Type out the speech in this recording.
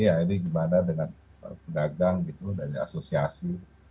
ini ya gimana dengan pedagang gitu dan asosiasi